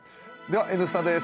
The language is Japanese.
では「Ｎスタ」です。